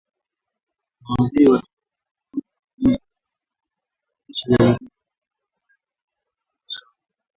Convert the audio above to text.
Mawaziri na wataalamu wa kiufundi watafanya kazi kwa kasi kuhakikisha Jamuhuri ya Kidemokrasia ya Kongo inaunganishwa